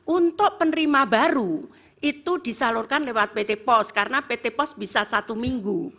untuk penerima baru itu disalurkan lewat pt pos karena pt pos bisa satu minggu